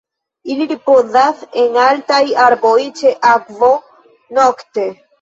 Ili ripozas en altaj arboj ĉe akvo nokte.